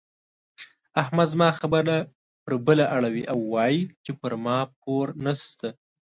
احمد زما خبره پر بله اړوي او وايي چې پر ما پور نه شته.